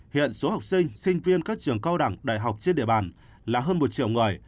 hiện số học sinh sinh viên các trường cao đẳng đại học trên địa bàn là hơn một triệu người